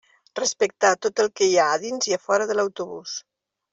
Respectar tot el que hi ha a dins i a fora de l'autobús.